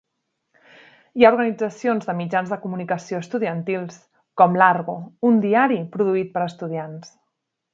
Hi ha organitzacions de mitjans de comunicació estudiantils, com "l'Argo", un diari produït per estudiants.